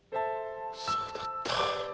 そうだった。